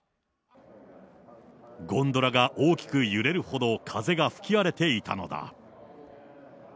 ゴンドラが大きく揺れるほど風が吹き荒れていたのだ。